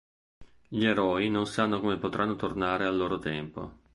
Gli eroi non sanno come potranno tornare al loro tempo.